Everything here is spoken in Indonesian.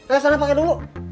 eh sana pake dulu